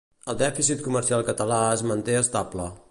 El dèficit comercial català es manté estable.